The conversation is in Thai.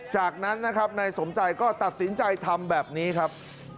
จากนั้นนะครับนายสมใจก็ตัดสินใจทำแบบนี้ครับ